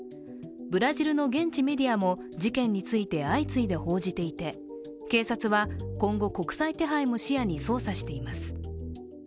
ブラジルの現地メディアも事件について相次いで報じていて、警察は今後、国際手配も視野に捜査しています。